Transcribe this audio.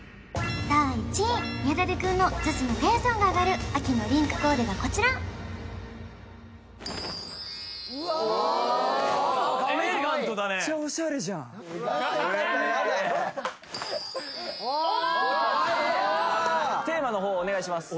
第１位宮舘くんの女子のテンションが上がる秋のリンクコーデがこちらうわああかわいいテーマの方をお願いします